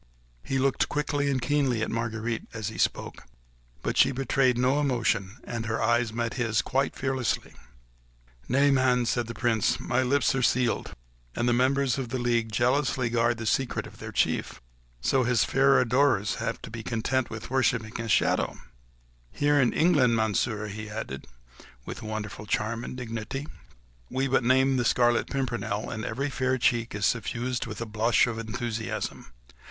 He looked quickly and keenly at Marguerite as he spoke; but she betrayed no emotion, and her eyes met his quite fearlessly. "Nay, man," replied the Prince, "my lips are sealed! and the members of the league jealously guard the secret of their chief ... so his fair adorers have to be content with worshipping a shadow. Here in England, Monsieur," he added, with wonderful charm and dignity, "we but name the Scarlet Pimpernel, and every fair cheek is suffused with a blush of enthusiasm.